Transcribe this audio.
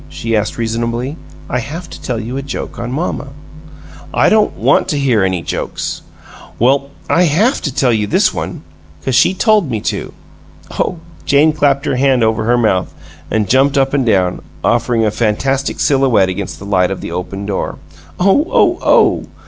she asked, reasonably. "I haf to tell you a joke on mamma." "I don't want to hear any jokes!" "Well, I HAF to tell you this one 'cause she told me to! Oh!" Jane clapped her hand over her mouth and jumped up and down, offering a fantastic silhouette against the light of the Open door. "Oh, oh, OH!"